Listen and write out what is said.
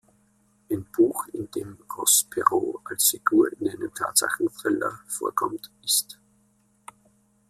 Ein Buch, in dem Ross Perot als Figur in einem Tatsachen-Thriller vorkommt, ist